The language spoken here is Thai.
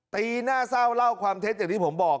ตีหน้าเศร้าเล่าความเท็จอย่างที่ผมบอก